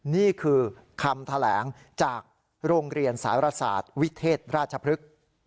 นี่คือคำแถลงจากโรงเรียนสารศาสตร์วิเทศราชพฤกษ์